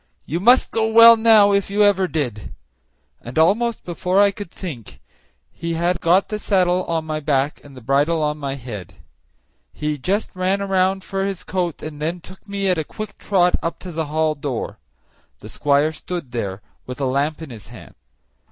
You must go well now, if ever you did;" and almost before I could think he had got the saddle on my back and the bridle on my head. He just ran round for his coat, and then took me at a quick trot up to the hall door. The squire stood there, with a lamp in his hand.